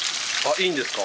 いいんですか？